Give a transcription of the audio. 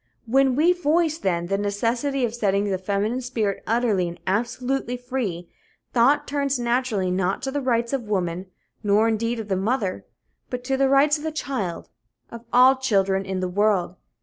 When we voice, then, the necessity of setting the feminine spirit utterly and absolutely free, thought turns naturally not to rights of the woman, nor indeed of the mother, but to the rights of the child of all children in the world.